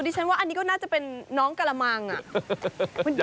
ฉันว่าอันนี้ก็น่าจะเป็นน้องกระมังอ่ะ